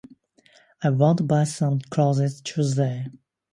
I want to buy some clothes Tuesday.